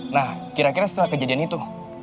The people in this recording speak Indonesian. nah kira kira setelah kejadian itu